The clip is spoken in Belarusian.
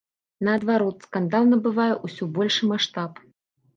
Наадварот, скандал набывае ўсё большы маштаб.